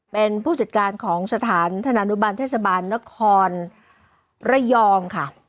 เป็นผู้จัดการของสถานธนานุบันเทศบาลนครระยองค่ะ